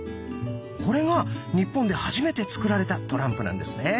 これが日本で初めて作られたトランプなんですね。